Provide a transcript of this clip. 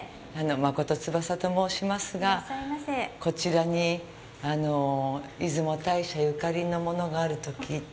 真琴つばさと申しますがこちらに出雲大社ゆかりのものがあると聞いて。